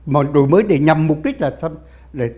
mà đổi mới để nhằm mục đích là